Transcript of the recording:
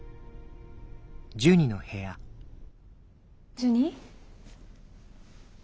ジュニ。